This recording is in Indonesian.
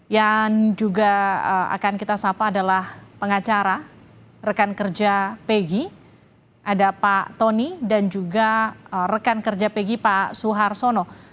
yang juga akan kita sapa adalah pengacara rekan kerja pegi ada pak tony dan juga rekan kerja pegi pak suharsono